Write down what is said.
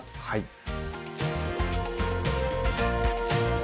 はい。